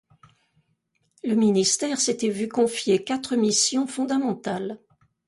Le ministère s'était vu confier quatre missions fondamentales.